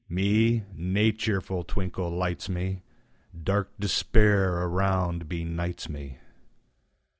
Me, nae cheerful twinkle lights me; Dark despair around benights me.